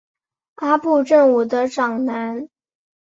阿部正武的长男。